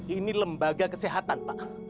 ini lembaga kesehatan pak